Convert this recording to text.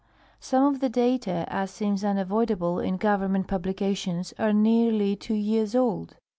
Some of the data, as seems unavoidable in Gov ernment publications, are nearly two years old.